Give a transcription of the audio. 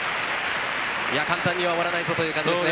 簡単には終わらないぞという感じですね。